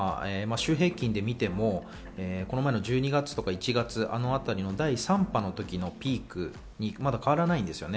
今、週平均で見ても、その前の１２月とか１月あたりの第３波の時のピーク、まだ変わらないんです。